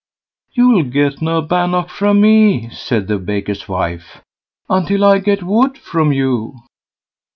"You'll get no bannock from me", said the Baker's wife, until I get wood from you."